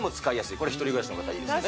これ、１人暮らしの方、いいです